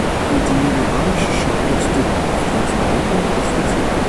Die mineralische Schale ist dünn, oft transparent und etwas flexibel.